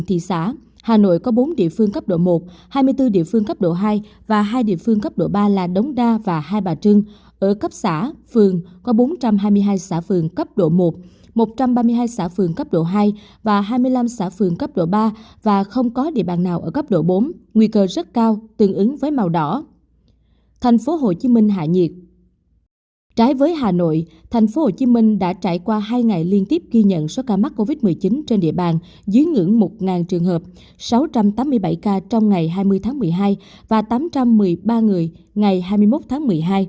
thành phố hồ chí minh đã trải qua hai ngày liên tiếp ghi nhận số ca mắc covid một mươi chín trên địa bàn dưới ngưỡng một trường hợp sáu trăm tám mươi bảy ca trong ngày hai mươi tháng một mươi hai và tám trăm một mươi ba người ngày hai mươi một tháng một mươi hai